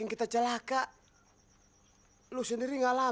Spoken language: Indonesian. ini dimana yangti